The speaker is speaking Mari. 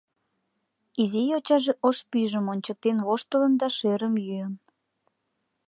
Изи йочаже ош пӱйжым ончыктен воштылын да шӧрым йӱын.